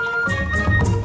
masih ada yang nangis